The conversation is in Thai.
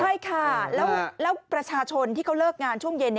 ใช่ค่ะแล้วประชาชนที่เขาเลิกงานช่วงเย็น